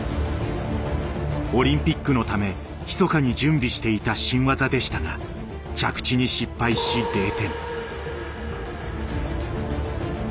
オリンピックのためひそかに準備していた新技でしたが着地に失敗し０点。